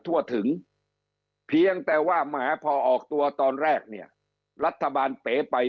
ทั่วถึงเพียงแต่ว่าแหมพอออกตัวตอนแรกเนี่ยรัฐบาลเป๋ไป